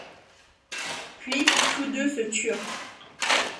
Puis, tous deux se turent.